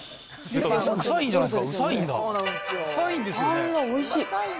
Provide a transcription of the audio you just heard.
あっら、おいしい。